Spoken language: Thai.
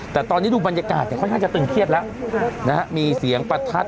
แต่ตอนนี้ดูบรรยากาศแต่ค่อยจะตื่นเทียบแล้วนะฮะมีเสียงประทัด